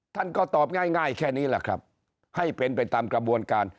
ท่านก็ตอบง่ายแค่นี้แหละครับให้เป็นไปตามกระบวนการ